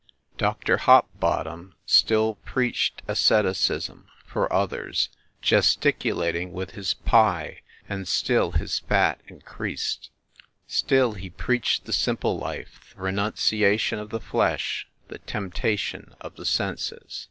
Dr. Hopbottom still preached asceticism (for others) gesticulating with his pie ; and still his fat increased. Still he preached the simple life, the renunciation of the flesh, the temptation of the senses.